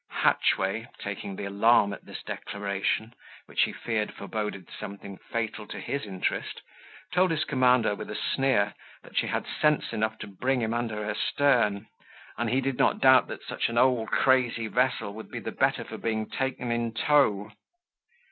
Hatchway, taking the alarm at this declaration, which he feared foreboded something fatal to his interest, told his commander, with a sneer, that she had sense enough to bring him to under her stern; and he did not doubt but that such an old crazy vessel would be the better for being taken in tow.